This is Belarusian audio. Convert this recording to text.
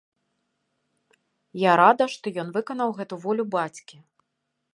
Я рада, што ён выканаў гэту волю бацькі.